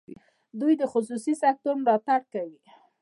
دوی د خصوصي سکټور ملاتړ کوي.